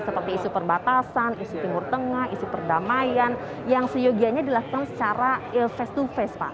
seperti isu perbatasan isu timur tengah isu perdamaian yang seyogianya dilakukan secara face to face pak